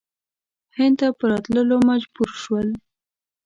هند ته په راتللو مجبور شول.